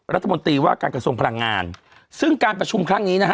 รัฐมนตรีว่าการกระทรวงพลังงานซึ่งการประชุมครั้งนี้นะฮะ